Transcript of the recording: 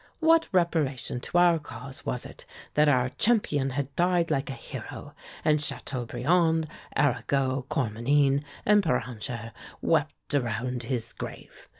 What reparation to our cause was it that our champion had died like a hero, and Châteaubriand, Arago, Cormenin and Béranger wept around his grave?